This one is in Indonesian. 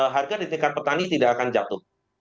harga di tingkat petani tidak akan jatuh